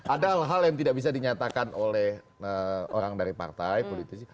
ada hal hal yang tidak bisa dinyatakan oleh orang dari partai politisi